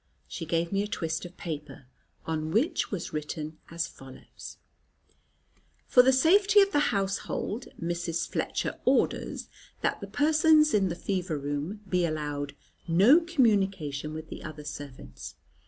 She gave me a twist of paper, on which was written as follows: "For the safety of the household, Mrs. Fletcher orders that the persons in the fever room be allowed no communication with the other servants.